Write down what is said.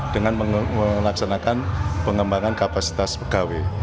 dengan melaksanakan pengembangan kapasitas pegawai